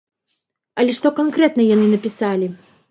Але што канкрэтна яны напісалі?